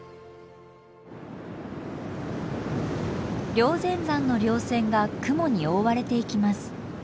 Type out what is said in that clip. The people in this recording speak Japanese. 霊仙山のりょう線が雲に覆われていきます。